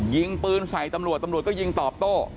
ยิงปืนใส่ตำรวจตำรวจก็ยิงตอบโต้